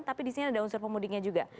tapi disini ada unsur pemudiknya juga